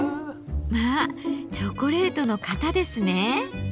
まあチョコレートの型ですね。